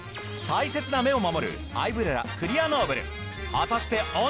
大切な目を守るアイブレラクリアノーブル。